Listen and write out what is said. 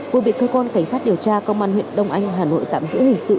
vừa bị cơ quan cảnh sát điều tra công an huyện đông anh hà nội tạm giữ hình sự